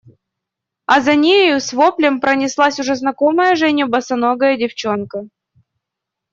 А за нею с воплем пронеслась уже знакомая Жене босоногая девчонка.